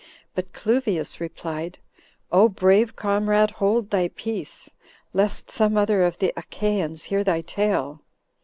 But Cluvius replied "O brave comrade hold thy peace, lest some other of the Achaians hear thy tale."